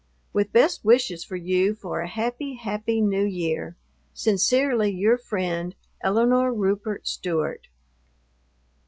With best wishes for you for a happy, happy New Year, Sincerely your friend, ELINORE RUPERT STEWART.